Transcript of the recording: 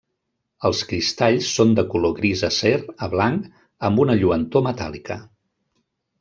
Els cristalls són de color gris acer a blanc amb una lluentor metàl·lica.